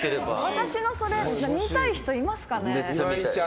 私のそれ見たい人いますかね。